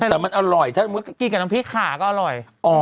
แต่มันอร่อยถ้ามันกินกับคลิกกับพี่ขาก็อร่อย